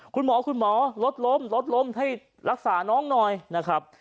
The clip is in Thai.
คุณหมอลดล้มให้รักษาน้องหน่อยนะครับ